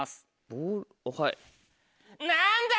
ボールはい。